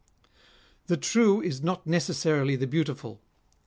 133 " The true is not necessarily the beautiful.